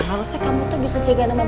harusnya kamu tuh bisa jagain sama ibu